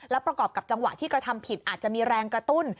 ประกอบกับจังหวะที่กระทำผิดอาจจะมีแรงกระตุ้น